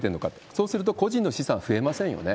そうすると個人の資産増えませんよね。